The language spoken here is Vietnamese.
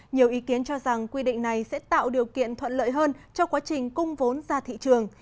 nhiều ý kiến cho rằng quy định này sẽ tạo điều kiện thuận lợi hơn cho quá trình cung vốn ra thị trường